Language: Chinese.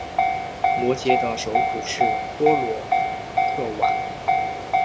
摩羯的首府是波罗克瓦尼。